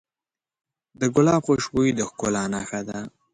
د ګلاب خوشبويي د ښکلا نښه ده.